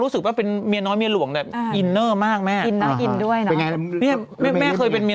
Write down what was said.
เธอเป็นพวกสวมให้ดี